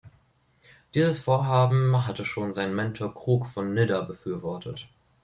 Dieses Vorhaben hatte schon seit Mentor Krug von Nidda befürwortet.